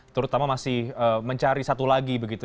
terutama masih mencari satu lagi begitu